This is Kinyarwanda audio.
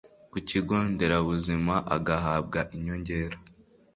ku kigo nderabuzima agahabwa inyongera